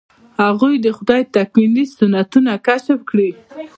هغوی د خدای تکویني سنتونه کشف کړي.